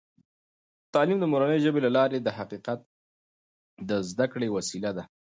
تعلیم د مورنۍ ژبې له لارې د حقیقت د زده کړې وسیله ده.